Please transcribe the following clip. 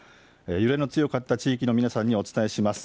揺れの強かった地域の皆さんにお伝えします。